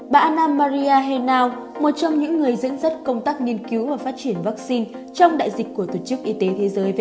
bà anna maria henao một trong những người dẫn dắt công tác nghiên cứu và phát triển vaccine trong đại dịch của tổ chức y tế thế giới who